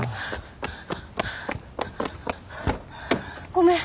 ごめん！